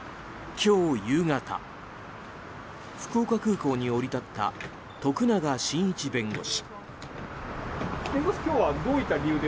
今日夕方福岡空港に降り立った徳永信一弁護士。